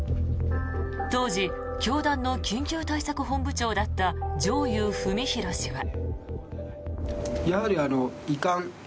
当時教団の緊急対策本部長だった上祐史浩氏は。